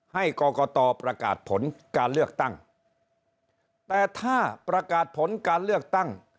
ให้กรกตประกาศผลการเลือกตั้งแต่ถ้าประกาศผลการเลือกตั้ง